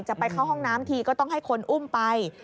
ไปเข้าห้องน้ำทีก็ต้องให้คนอุ้มไป